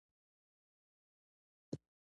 دا ابدي تضمین ژمنه ده.